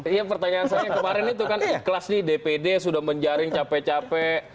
iya pertanyaan saya kemarin itu kan ikhlas nih dpd sudah menjaring capek capek